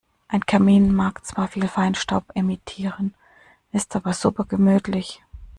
Ein Kamin mag zwar viel Feinstaub emittieren, ist aber super gemütlich.